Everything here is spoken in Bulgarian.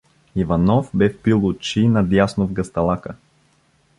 Иванов бе впил очи надясно в гъсталака.